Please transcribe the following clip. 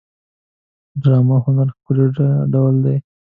ډرامه د هنر ښکلی ډول دی